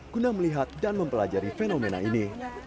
guna melihat dan mempelajari fenomena ini